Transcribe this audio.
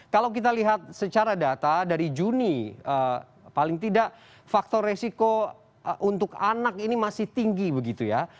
kalau kita lihat secara data dari juni paling tidak faktor resiko untuk anak ini masih tinggi begitu ya